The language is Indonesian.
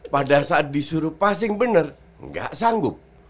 pada saat disuruh passing bener gak sanggup